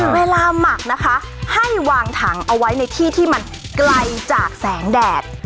หมักนะคะให้วางถังเอาไว้ในที่ที่มันไกลจากแสงแดด